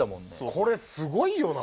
これすごいよな。